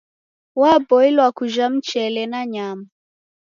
Waboilwa kujha mchele na nyama.